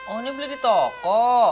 oh ini boleh ditokok